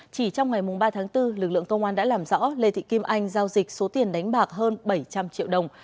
chỉ trong ngày ba tháng bốn lực lượng công an đã làm rõ lê thị kim anh giao dịch số tiền đánh bạc hơn bảy trăm linh triệu đồng